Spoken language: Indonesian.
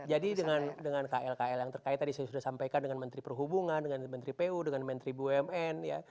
jadi dengan kl kl yang terkait tadi saya sudah sampaikan dengan menteri perhubungan dengan menteri pu dengan menteri bumn